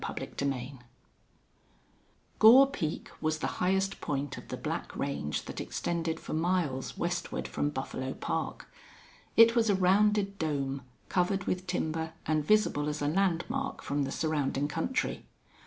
CHAPTER XVII Gore Peak was the highest point of the black range that extended for miles westward from Buffalo Park. It was a rounded dome, covered with timber and visible as a landmark from the surrounding country.